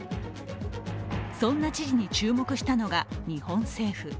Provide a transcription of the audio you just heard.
そんな知事に注目したのが日本政府。